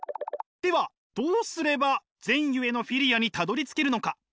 ではどうすれば善ゆえのフィリアにたどりつけるのか？